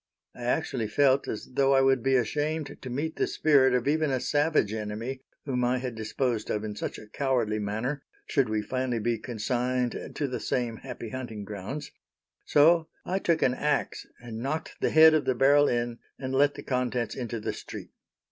I actually felt as though I would be ashamed to meet the spirit of even a savage enemy whom I had disposed of in such a cowardly manner, should we finally be consigned to the same happy hunting grounds, so I took an axe and knocked the head of the barrel in, and let the contents into the street.